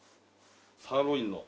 サーロインの。